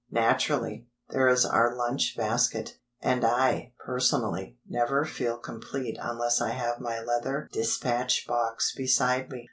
Naturally, there is our lunch basket; and I, personally, never feel complete unless I have my leather dispatch box beside me.